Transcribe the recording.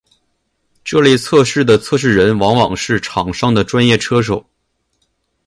这类测试的测试人往往是厂商的专业车手。